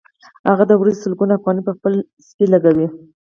هغه د ورځې سلګونه افغانۍ په خپل سپي لګوي